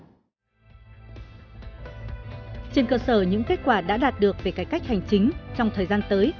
trên cơ sở những kết quả đã đạt được về cải cách hành chính trong thời gian tới